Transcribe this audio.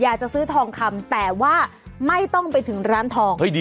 อยากจะซื้อทองคำแต่ว่าไม่ต้องไปถึงร้านทอง